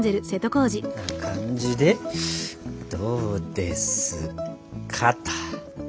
こんな感じでどうですかっと。